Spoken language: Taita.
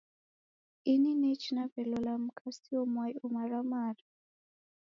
Ini nechi naw'elola mka sio mwai omaramara